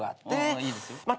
いいですよ。